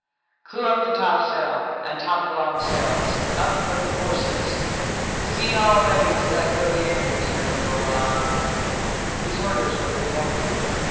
" Clew up the topsails and topgallant sails. Up with the courses. See all ready to let go the anchors, Van Vogelaar." These orders were re echoed.